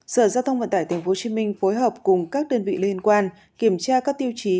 sở giao thông vận tải tp hcm phối hợp cùng các đơn vị liên quan kiểm tra các tiêu chí